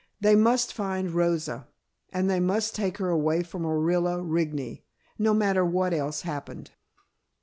They must find Rosa, and they must take her away from Orilla Rigney, no matter what else happened.